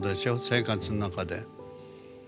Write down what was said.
生活の中で。